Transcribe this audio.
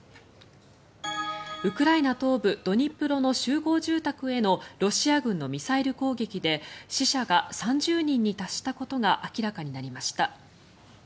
ウクライナ東部ドニプロの集合住宅へのロシア軍のミサイル攻撃で死者が３０人に達したことが明らかになりました。